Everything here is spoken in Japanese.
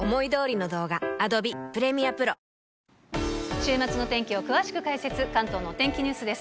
週末の天気を詳しく解説、関東のお天気ＮＥＷＳです。